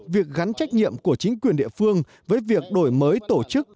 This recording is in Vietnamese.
việc gắn trách nhiệm của chính quyền địa phương với việc đổi mới tổ chức